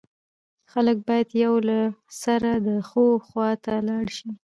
خلک بايد يو له له سره د ښو خوا ته ولاړ سي